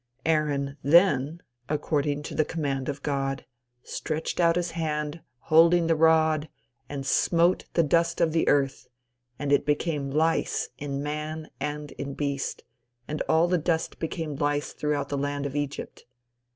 Aaron then, according to the command of God, stretched out his hand, holding the rod, and smote the dust of the earth, and it became lice in man and in beast, and all the dust became lice throughout the land of Egypt.